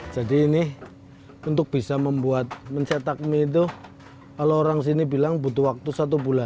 jadi ini untuk bisa membuat mencetak mie itu kalau orang sini bilang butuh waktu satu bulan